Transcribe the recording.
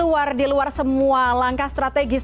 luar di luar semua langkah strategis